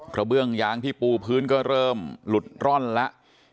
เบื้องยางที่ปูพื้นก็เริ่มหลุดร่อนแล้ว